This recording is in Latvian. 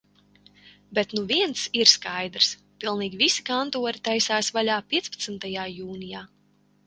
Bet nu viens ir skaidrs – pilnīgi visi kantori taisās vaļā piecpadsmitajā jūnijā.